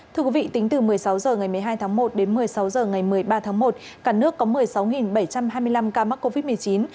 thưa quý vị tính từ một mươi sáu h ngày một mươi hai tháng một đến một mươi sáu h ngày một mươi ba tháng một cả nước có một mươi sáu bảy trăm hai mươi năm ca mắc covid một mươi chín